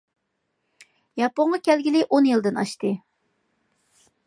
ياپونغا كەلگىلى ئون يىلدىن ئاشتى.